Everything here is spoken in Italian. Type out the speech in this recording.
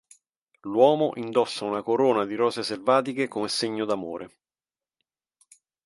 L'uomo indossa una corona di rose selvatiche come segno d'amore.